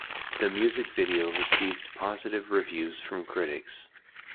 The music video received positive reviews from critics.